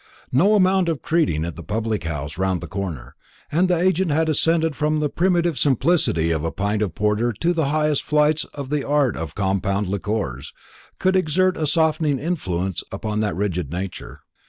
No amount of treating at the public house round the corner and the agent had ascended from the primitive simplicity of a pint of porter to the highest flights in the art of compound liquors could exert a softening influence upon that rigid nature.